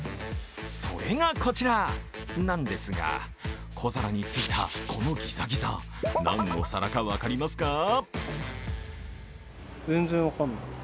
それがこちらなんですが小皿についたこのギザギザ何の皿か分かりますか？